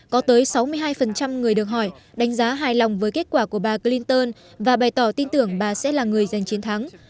có tới sáu mươi hai người được hỏi đánh giá hài lòng với kết quả của bà clinton và bày tỏ tin tưởng bà sẽ là người giành chiến thắng